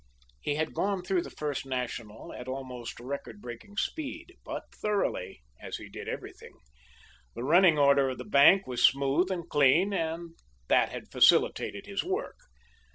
He had gone through the First National at almost record breaking speed but thoroughly, as he did everything. The running order of the bank was smooth and clean, and that had facilitated his work.